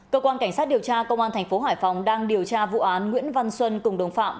cơ quan cảnh sát điều tra công an thành phố hải phòng đang điều tra vụ án nguyễn văn xuân cùng đồng phạm